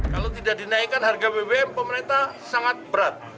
kalau tidak dinaikkan harga bbm pemerintah sangat berat